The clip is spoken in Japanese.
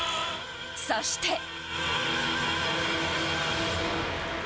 そして。